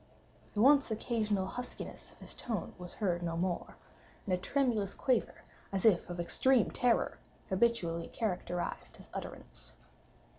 The once occasional huskiness of his tone was heard no more; and a tremulous quaver, as if of extreme terror, habitually characterized his utterance.